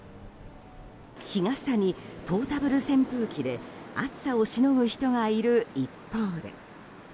日傘にポータブル扇風機で暑さをしのぐ人がいる一方で。